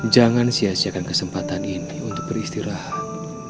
jangan sia siakan kesempatan ini untuk beristirahat